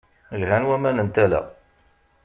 Lhan waman n tala.